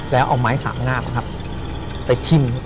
แล้วเอาไม้สามงามไปทิ้ง